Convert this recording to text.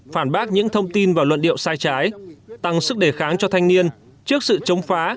phản bác những thông tin và luận điệu sai trái tăng sức đề kháng cho thanh niên trước sự chống phá